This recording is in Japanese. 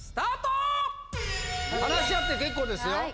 話し合って結構ですよ